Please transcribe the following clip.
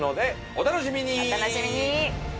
お楽しみに！